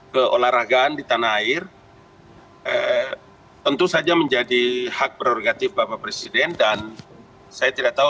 keolahragaan di tanah air tentu saja menjadi hak prerogatif bapak presiden dan saya tidak tahu